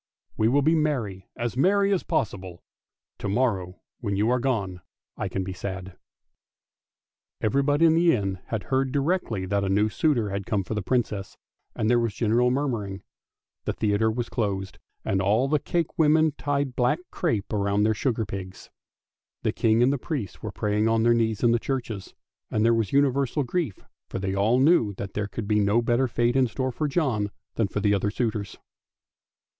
We will be mem", as merry as possible; to morrow when you are gone I can be sad! " Even body in the town had heard directly that a new suitor had come for the Princess, and there was general mourning. The theatre was closed, and all the cakewomen tied black crape round the sugar pigs. The King and the priests were praying on their knees in the churches, and there was universal grief, for they all knew that there could be no better fate in store for John than for the other suitors.